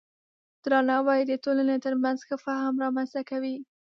درناوی د ټولنې ترمنځ ښه فهم رامنځته کوي.